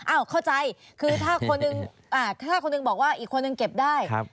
อ้าวเข้าใจคือถ้าคนหนึ่งบอกว่าอีกคนหนึ่งเก็บได้